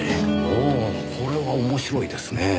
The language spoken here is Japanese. ほうこれは面白いですねぇ。